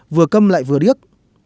vừa câm lại vừa điếc